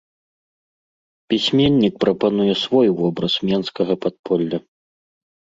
Пісьменнік прапануе свой вобраз менскага падполля.